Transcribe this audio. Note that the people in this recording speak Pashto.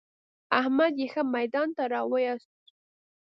احمد يې ښه ميدان ته را ويوست.